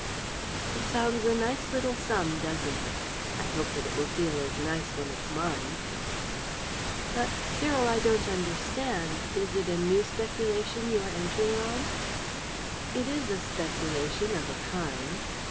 "It sounds a nice little sum, doesn't it? I hope that it will feel as nice when it's mine!" "But, Cyril, I don't understand. Is it a new speculation you are entering on?" "It is a speculation of a kind."